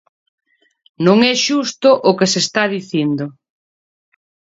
Non é xusto o que se está dicindo.